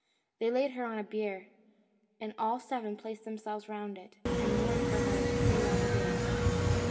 They laid her on a bier, and all the seven placed themselves round it, and mourned for her three long days.